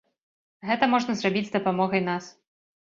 Гэта можна зрабіць з дапамогай нас.